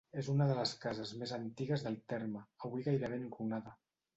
És una de les cases més antigues del terme, avui gairebé enrunada.